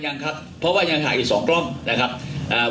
ยังครับเพราะว่างายังห่ามีสองกล้องก็ไม่ออกมาเท่าที่ของคุณครับ